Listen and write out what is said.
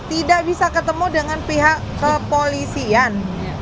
tidak bisa ketemu dengan pihak kepolisian